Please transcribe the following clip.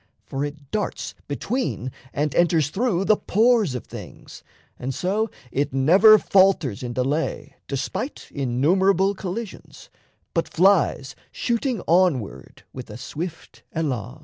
For it darts Between and enters through the pores of things; And so it never falters in delay Despite innumerable collisions, but Flies shooting onward with a swift elan.